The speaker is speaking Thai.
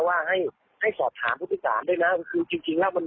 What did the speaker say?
จิ้มการภูมิเดินรถไปจับ